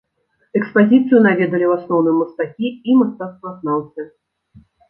Экспазіцыю наведалі ў асноўным мастакі і мастацтвазнаўцы.